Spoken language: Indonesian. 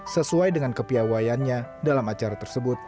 sesuai dengan kepiawayannya dalam acara tersebut